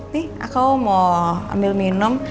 nih aku mau ambil minum